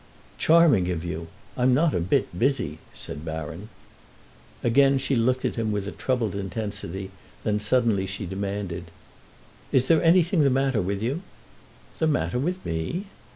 "Charming of you. I'm not a bit busy," said Baron. Again she looked at him with a troubled intensity, then suddenly she demanded: "Is there anything the matter with you?" "The matter with me?"